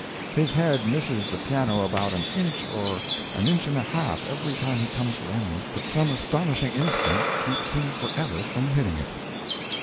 His head misses the piano about an inch or an inch and a half every time he comes around, but some astonishing instinct keeps him forever from hitting it.